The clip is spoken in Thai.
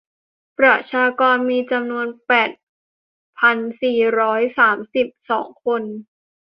ประชากรมีจำนวนแปดพันสี่ร้อยสามสิบสองคน